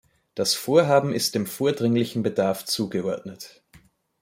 Das Vorhaben ist dem vordringlichen Bedarf zugeordnet.